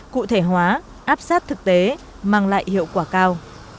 cụ thể hóa áp sát thực tế mang lại hiệu quả cao